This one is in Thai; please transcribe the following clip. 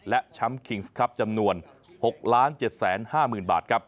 และแชมป์คิงส์ครับจำนวน๖๗๕๐๐๐บาทครับ